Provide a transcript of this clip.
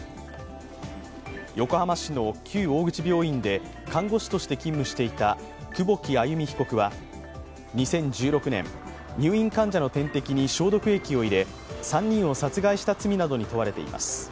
横浜市の旧大口病院で看護師として勤務していた久保木愛弓被告は２０１６年、入院患者の点滴に消毒液を入れ３人を殺害した罪などに問われています。